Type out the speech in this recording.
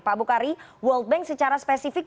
pak bukari world bank secara spesifik